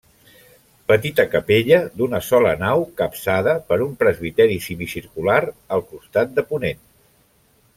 Petita capella d'una sola nau capçada per un presbiteri semicircular al costat de ponent.